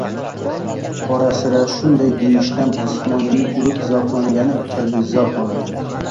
Orasira shunday deyishdan Ismoilni urib zavqlangani kabi zavq oladi.